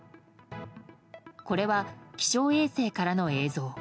これは、気象衛星からの映像。